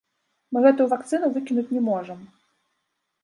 Мы гэтую вакцыну выкінуць не можам.